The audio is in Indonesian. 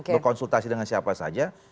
berkonsultasi dengan siapa saja